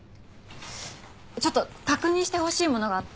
ちょっと確認してほしいものがあって。